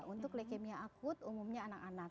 untuk leukemia akut umumnya anak anak